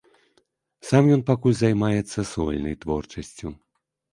Сам ён пакуль займаецца сольнай творчасцю.